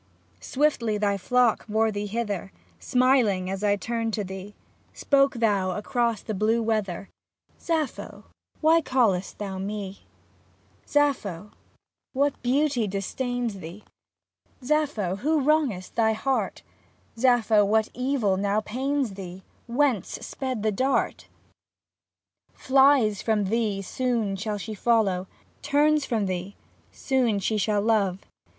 Swiftly thy flock bore thee hither. Smiling, as turned I to thee. Spoke thou across the blue weather, " Sappho, why callest thou me ?" 21 HYMN TO APHRODITE "Sappho, what Beauty disdains thee, Sappho, who wrongest thine heart, Sappho, what evil now pains thee, Whence sped the dart ?" FHes from thee, soon she shall follow, Turns from thee, soon she shall love.